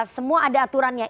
semua ada aturannya